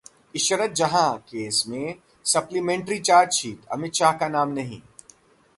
Ishrat Jahan case में supplementary chargesheet, Amit Shah का नाम नहीं